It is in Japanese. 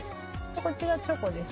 こちらチョコです。